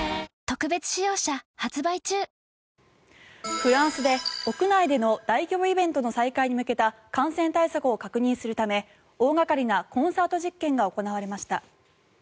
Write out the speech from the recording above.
フランスで屋内での大規模イベントの再開に向けた感染対策を確認するため大掛かりなコンサート実験が行われました。